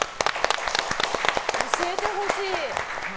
教えてほしい。